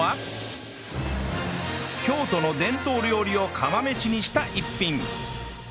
京都の伝統料理を釜飯にした一品